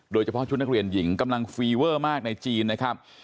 โดยเฉพาะชุดนักเรียนหญิงกำลังฟีเวอร์มากในจีนนะครับ